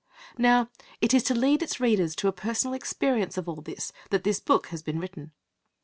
Now it is to lead its readers to a personal experience of all this that this book has been written.